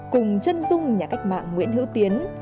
cùng chân dung nhà cách mạng nguyễn hữu tiến